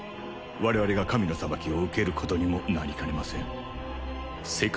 我々が神の裁きを受けることにもなりかねません・